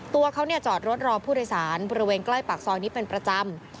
ตัวเขาจอดรถรอผู้โดยสารบริเวณใกล้ปากซอยนี้เป็นประจำ